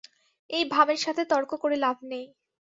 এই ভামের সাথে তর্ক করে লাভ নেই।